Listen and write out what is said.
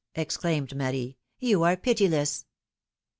" exclaimed Marie, you are pitiless."